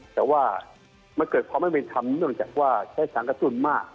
แต่ว่ามันเกิดความไม่มีทำเนื่องจากว่าใช้สถานการณ์สรุนมาก